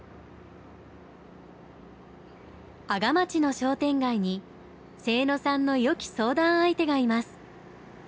阿賀町の商店街に清野さんの良き相談相手がいます。